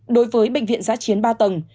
đối với bệnh viện giá chiến ba tầng